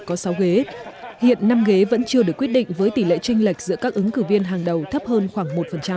có sáu ghế hiện năm ghế vẫn chưa được quyết định với tỷ lệ trinh lệch giữa các ứng cử viên hàng đầu thấp hơn khoảng một